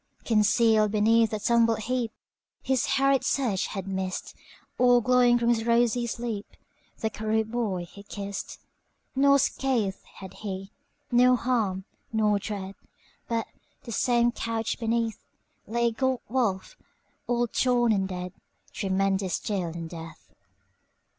Concealed beneath a tumbled heapHis hurried search had missed, All glowing from his rosy sleep, The cherub boy he kissed. Nor scath had he, nor harm, nor dread, But, the same couch beneath, Lay a gaunt wolf, all torn and dead, Tremendous still in death.